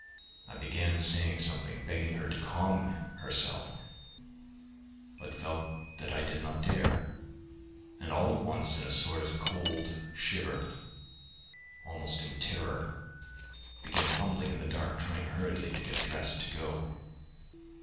I began saying something, begging her to calm herself, but felt that I did not dare; and all at once, in a sort of cold shiver, almost in terror, began fumbling in the dark, trying hurriedly to get dressed to go.